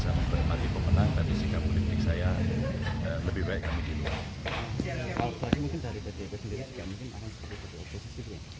saya memperoleh pemenang tapi sikap politik saya lebih baik kamu di luar